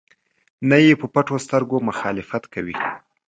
نه یې په پټو سترګو مخالفت کوي.